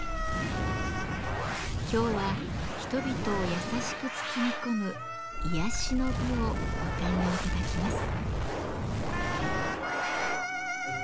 今日は人々を優しく包み込む癒やしの美をご堪能頂きます。